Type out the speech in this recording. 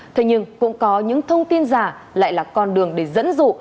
thế nhưng cũng có những thông tin giả lại là con đường để dẫn dụ